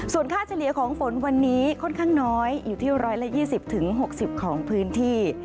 ส่วนค่าเฉลี่ยของฝนวันนี้ค่อนข้างน้อยอยู่ที่๑๒๐๖๐ของพื้นที่